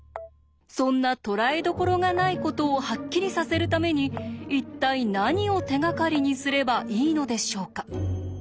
そんな捕らえどころがないことをハッキリさせるために一体何を手がかりにすればいいのでしょうか？